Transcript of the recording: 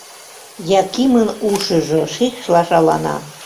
Якимын ушыжо шикшла шалана.